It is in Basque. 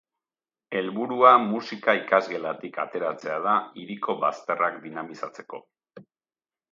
Helburua musika ikasgelatik ateratzea da, hiriko bazterrak dinamizatzeko.